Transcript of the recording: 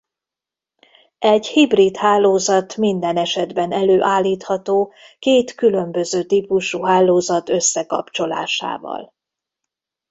Egy hibrid hálózat minden esetben előállítható két különböző típusú hálózat összekapcsolásával.